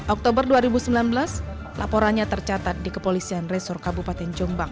oktober dua ribu sembilan belas laporannya tercatat di kepolisian resor kabupaten jombang